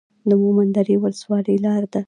د مومند درې ولسوالۍ لاره ده